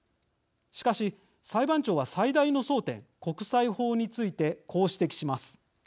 しかし、裁判長は最大の争点国際法についてこう指摘します。